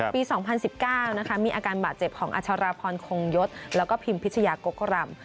ปี๒๐๑๙มีอาการบาดเจ็บของอัชราพรคงยศแล้วก็พิมพิชยากกรำ